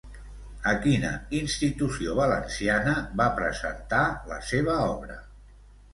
A quina institució valenciana va presentar la seva obra?